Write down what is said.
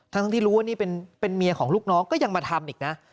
ทั้งที่รู้ว่านี่เป็นเมียของลูกน้องก็ยังมาทำอีกนะ